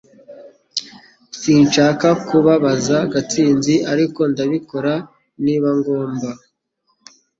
Sinshaka kubabaza Gatsinzi ariko nzabikora niba ngomba